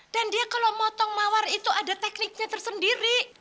dan dia kalau motong mawar itu ada tekniknya tersendiri